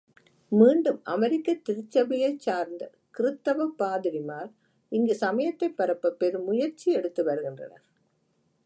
மீண்டும் அமெரிக்கத் திருச்சபையைச் சார்ந்த கிருத்தவப் பாதிரிமார் இங்கு சமயத்தைப் பரப்பப் பெரும் முயற்சி எடுத்து வருகின்றனர்.